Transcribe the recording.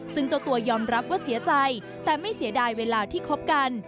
ซึ่งเจ้าตัวยอมรับว่าเสียใจแต่ไม่เสียดายเวลาที่คบกัน